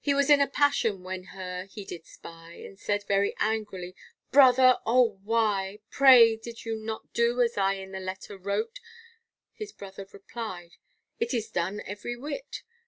He was in a passion when her he did spy, And said very angrily, Brother, O why, Pray did you not do as in the letter I wrote? His brother replied, It is done every whit.